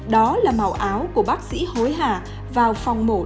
đó là màu áo của bác sĩ hối hà vào phòng mổ đề xanh